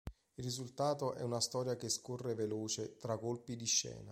Il risultato è una storia che scorre veloce tra colpi di scena.